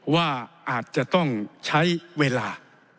ว่าอาจจะต้องใช้เวลา